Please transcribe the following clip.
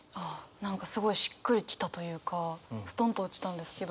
何かすごいしっくり来たというかストンと落ちたんですけど。